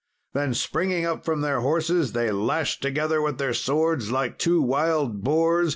Then, springing up from their horses, they lashed together with their swords like two wild boars.